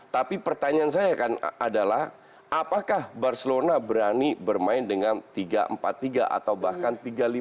tapi pertanyaan saya kan adalah apakah barcelona berani bermain dengan tiga empat tiga atau bahkan tiga lima